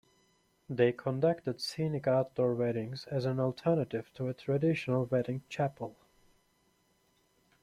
They conducted scenic outdoor weddings as an alternative to a traditional wedding chapel.